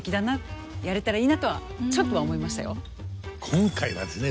今回はですね